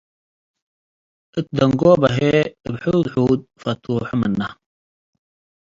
እት ደንጎበ ህይ እብ ሑድ-ሑድ ፈትሖ ምነ ።